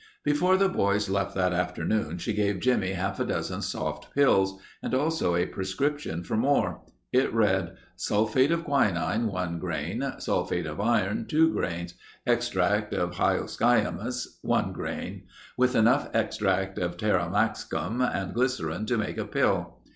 Before the boys left that afternoon she gave Jimmie half a dozen soft pills and also a prescription for more. It read, "Sulphate of quinine, 1 grain; sulphate of iron, 2 grains; extract of hyoscyamus, 1 grain; with enough extract of taraxacum and glycerine to make a pill."